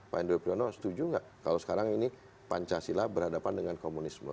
pak endro piono setuju gak kalau sekarang ini pancasila berhadapan dengan komunisme